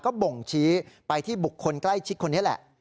ก็บ่งชี้ไปที่บุคคลใกล้ชิดคนนี้แหละ